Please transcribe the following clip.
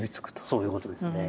そういうことですね。